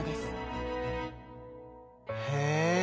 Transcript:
へえ。